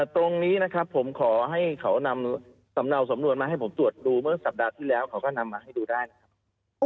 ตรงนี้นะครับผมขอให้เขานำสำเนาสำนวนมาให้ผมตรวจดูเมื่อสัปดาห์ที่แล้วเขาก็นำมาให้ดูได้นะครับ